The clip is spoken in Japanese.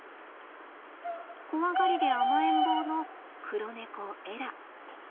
怖がりで甘えん坊の黒猫エラ。